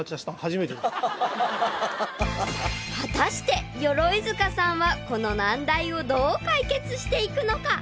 ［果たして鎧塚さんはこの難題をどう解決していくのか？］